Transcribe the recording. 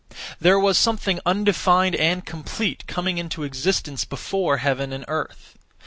There was something undefined and complete, coming into existence before Heaven and Earth.